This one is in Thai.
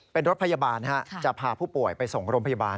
เป็นรถพยาบาลจะพาผู้ป่วยไปส่งโรงพยาบาล